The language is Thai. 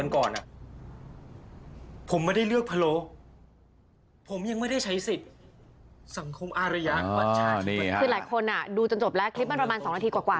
คือหลายคนดูจนจบแล้วคลิปมันประมาณ๒นาทีกว่า